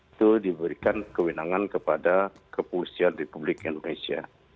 itu diberikan kewenangan kepada kepolisian republik indonesia